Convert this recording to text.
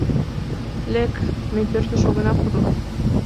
Лек: ме пӧртыш огына пуро.